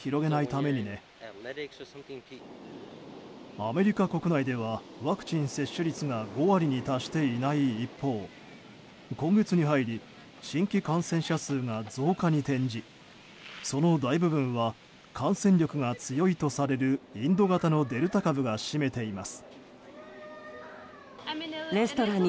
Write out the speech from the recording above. アメリカ国内ではワクチン接種率が５割に達していない一方今月に入り新規感染者数が増加に転じその大部分は感染力が強いとされるインド型のデルタ株が占めています。